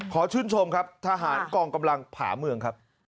ขอชื่นชมครับทหารกองกำลังผ่าเมืองครับ